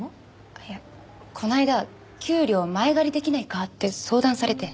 いやこの間給料前借りできないかって相談されて。